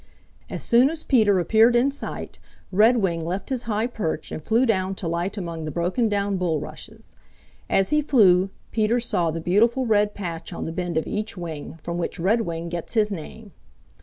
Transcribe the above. As soon as Peter appeared in sight Redwing left his high perch and flew down to light among the broken down bulrushes. As he flew, Peter saw the beautiful red patch on the bend of each wing, from which Redwing gets his name.